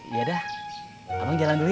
yaudah abang jalan dulu ya